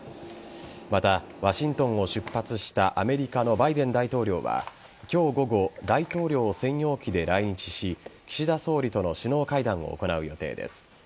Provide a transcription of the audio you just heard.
また、ワシントンを出発したアメリカのバイデン大統領は今日午後、大統領専用機で来日し岸田総理との首脳会談を行う予定です。